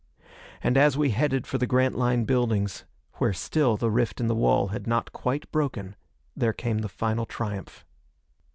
And as we headed for the Grantline buildings, where still the rift in the wall had not quite broken, there came the final triumph.